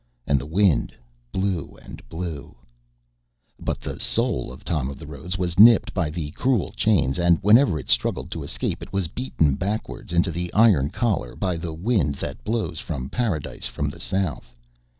And the wind blew and blew. But the soul of Tom o' the Roads was nipped by the cruel chains, and whenever it struggled to escape it was beaten backwards into the iron collar by the wind that blows from Paradise from the south.